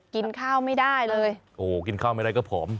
กินข้าวไม่ได้เลยโอ้กินข้าวไม่ได้ก็ผอม